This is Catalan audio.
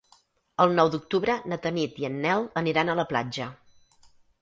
El nou d'octubre na Tanit i en Nel aniran a la platja.